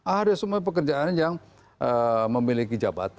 ada semua pekerjaan yang memiliki jabatan